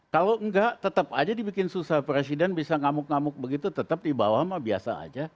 kalau enggak tetap aja dibikin susah presiden bisa ngamuk ngamuk begitu tetap di bawah mah biasa aja